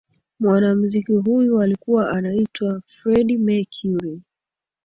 mwanamuziki huyo alikuwa anaitwa freddie mercury